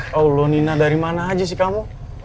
ya allah nina dari mana aja sih kamu